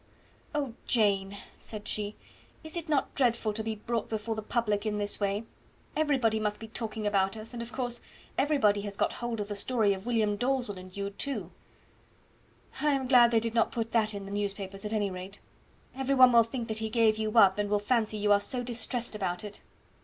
"Oh, Jane," said she, "is it not dreadful to be brought before the public in this way; everybody must be talking about us, and of course everybody has got hold of the story of William Dalzell and you too. I am glad they did not put that in the newspapers, at any rate. Every one will think that he gave you up, and will fancy you are so distressed about it."